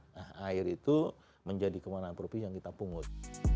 nah air itu menjadi kewangan harga rupiah yang kita pungut